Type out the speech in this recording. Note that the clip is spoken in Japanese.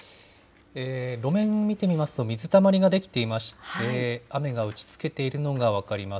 路面見てみますと、水たまりが出来ていまして、雨が打ちつけているのが分かります。